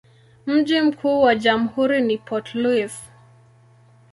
Mji mkuu wa jamhuri ni Port Louis.